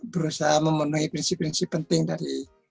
berusaha memenuhi prinsip prinsip penting dari kode etik